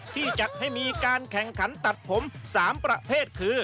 ที่จัดให้มีการแข่งขันตัดผม๓ประเภทคือ